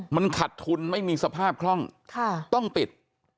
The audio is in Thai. มันขัดทุนไม่มีสภาพคล่องต้องปิด